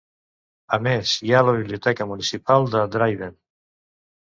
A més, hi ha la Biblioteca municipal de Dryden.